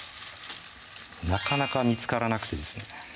なかなか見つからなくてですね